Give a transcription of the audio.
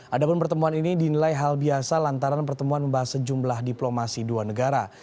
adapun pertemuan ini dinilai hal biasa lantaran pertemuan membahas sejumlah diplomasi dua negara